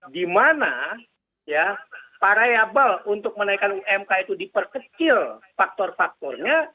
dimana ya variable untuk menaikkan umk itu diperkecil faktor faktornya